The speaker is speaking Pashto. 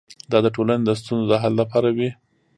دا د ټولنې د ستونزو د حل لپاره وي.